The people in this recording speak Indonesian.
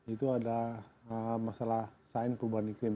itu ada masalah sain perubahan iklim